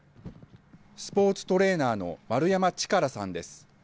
スポーツトレーナーの丸山主税さんです。